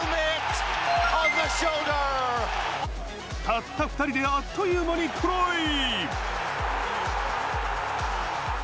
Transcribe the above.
たった２人であっという間にトライ。